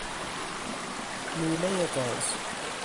لولۀ گاز